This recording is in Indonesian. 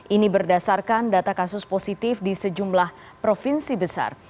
ini berdasarkan data kasus positif di sejumlah provinsi besar